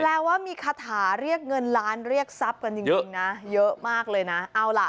แปลว่ามีคาถาเรียกเงินล้านเรียกทรัพย์กันจริงนะเยอะมากเลยนะเอาล่ะ